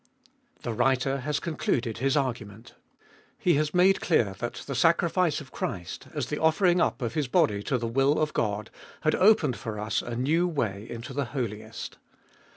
THE writer has concluded his argument. He has made clear that the sacrifice of Christ, as the offering up of His body to the will of God, had opened for us a new way into the Holiest.